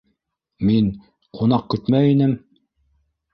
- Мин... ҡунаҡ көтмәй инем.